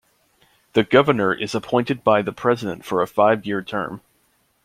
The governor is appointed by the president for a five-year term.